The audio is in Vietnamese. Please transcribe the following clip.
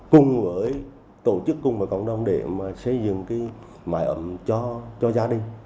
cùng với tổ chức cùng với cộng đồng để xây dựng cái mái ấm cho gia đình